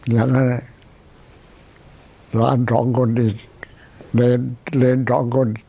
อย่างเงี้ยสานสองคนอีกเลนส์สองคน